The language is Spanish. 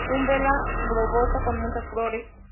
Umbela globosa, con muchas flores.